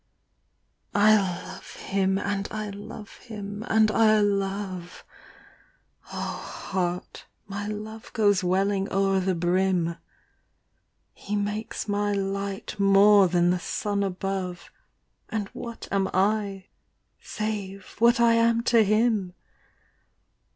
I loire bim, and I knre him, and I love : Oh heart, mj love goes welling o'er the bdm. He makes my light more than the son above. And idiat am I save idiat I am to him?